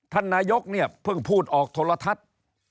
ท่านนายกเนี่ยเพิ่งพูดออกโทรทัศน์